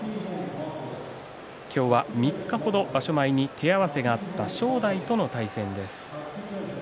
今日は３日ほど場所前に手合わせがあった正代との対戦です。